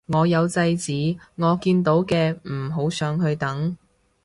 我有制止我見到嘅唔好上去等